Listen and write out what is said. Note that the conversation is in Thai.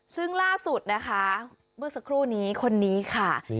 ซึ่งล่าสุดนะคะเมื่อสักครู่นี้คนนี้ค่ะ